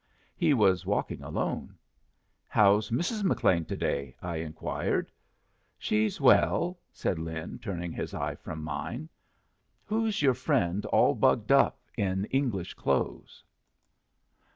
He was walking alone. "How's Mrs. McLean to day?" I inquired. "She's well," said Lin, turning his eye from mine. "Who's your friend all bugged up in English clothes?"